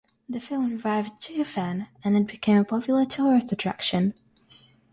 The film revived Jiufen, and it became a popular tourist attraction.